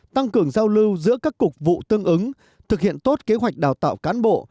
tăng cường giao lưu giữa các cục vụ tương ứng thực hiện tốt kế hoạch đào tạo cán bộ